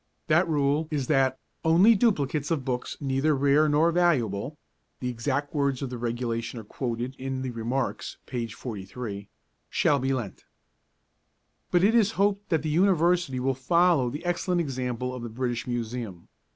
That rule is that only duplicates of books neither rare nor valuable (the exact words of the regulation are quoted in the 'Remarks,' p. 43) shall be lent. But it is to be hoped that the University will follow the excellent example of the British Museum.